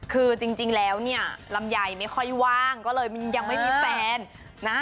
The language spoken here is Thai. คือจริงแล้วเนี่ยลำไยไม่ค่อยว่างก็เลยยังไม่มีแฟนนะ